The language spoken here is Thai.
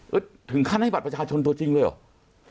แล้วถึงขั้นให้บัตรประชาชนตัวจริงเลยเหรอ